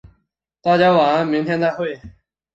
大家晚安，明天再会。